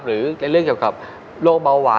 หรือเรื่องเกี่ยวกับโรคเบาหวาน